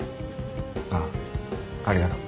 ああありがとう。